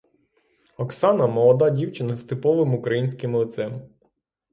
Оксана — молода дівчина з типовим українським лицем.